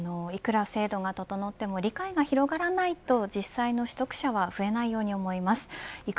いくら制度が整っても理解が広がらないと実際の取得者は増えないように思います。